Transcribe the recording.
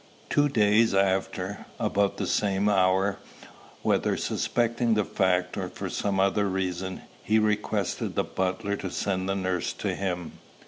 Two days after, about the same hour, whether suspecting the fact, or for some other reason, he requested the butler to send the nurse to him.